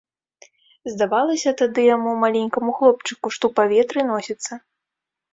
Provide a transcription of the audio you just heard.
Здавалася тады яму, маленькаму хлопчыку, што ў паветры носіцца.